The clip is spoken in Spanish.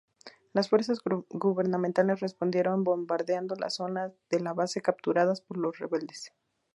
Las fuerzas gubernamentales respondieron bombardeando las zonas de la base capturadas por los rebeldes.